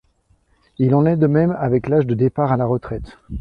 Il en est de même avec l'âge de départ à la retraite.